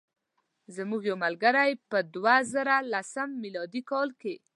زموږ یو ملګری په دوه زره لسم میلادي کال.